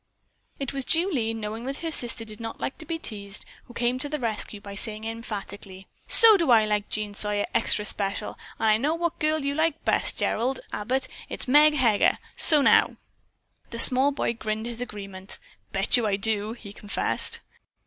It was Julie, knowing that her sister did not like to be teased, who came to the rescue by saying emphatically: "So do I like Jean Sawyer extra special; and I know what girl you like best, Gerald Abbott. It's Meg Heger; so now." The small boy grinned his agreement. "Bet you I do," he confessed.